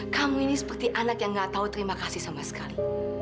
kamu ini seperti anak yang gak tahu terima kasih sama sekali